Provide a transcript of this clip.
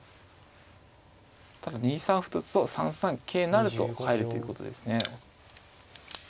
ただ２三歩と打つと３三桂成と入るということですね。